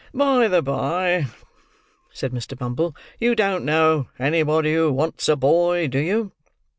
"By the bye," said Mr. Bumble, "you don't know anybody who wants a boy, do you?